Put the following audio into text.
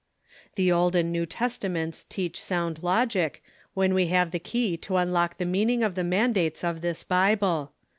The Old and New Testaments teach sound logic, when we have the key to unlock the meaning of the mandates of this Bible.